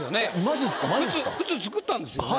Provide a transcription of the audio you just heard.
靴作ったんですよね。